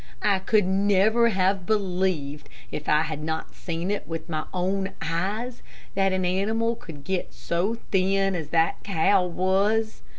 I could never have believed, if I had not seen it with my own eyes, that an animal could get so thin as that cow was.